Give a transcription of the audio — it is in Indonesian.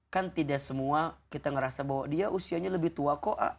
kan tidak semua kita ngerasa bahwa dia usianya lebih tua